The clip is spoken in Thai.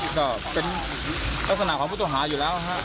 ที่ก็เป็นภาษณาของพุทธวหาอยู่แล้วฮะ